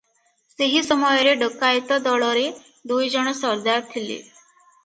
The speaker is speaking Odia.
ସେହି ସମୟରେ ଡକାଏତ ଦଳରେ ଦୁଇଜଣ ସର୍ଦ୍ଦାର ଥିଲେ ।